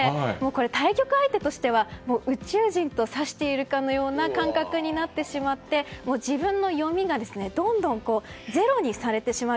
対局相手としては宇宙人と指しているかのような感覚になってしまって自分の読みがどんどんゼロにされてしまう。